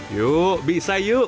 yuk bisa yuk